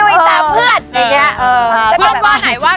ก็เป็นเพื่อนเราป๊ะ